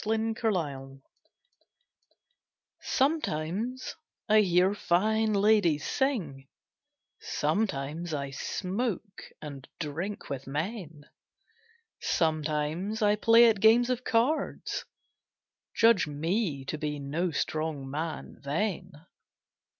STRONG MOMENTS Sometimes I hear fine ladies sing, Sometimes I smoke and drink with men; Sometimes I play at games of cards Judge me to be no strong man then.